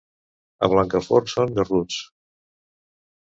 A Blancafort són garruts.